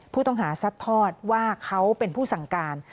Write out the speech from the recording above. ผู้ต้องหาซัดทอดว่าเขาเป็นผู้สั่งการ